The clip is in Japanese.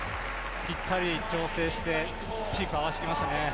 ぴったり調整してピークを合わせてきましたね。